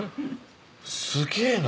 すげぇな。